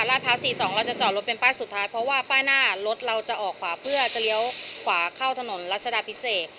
พร้าว๔๒เราจะจอดรถเป็นป้ายสุดท้ายเพราะว่าป้ายหน้ารถเราจะออกขวาเพื่อจะเลี้ยวขวาเข้าถนนรัชดาพิเศษ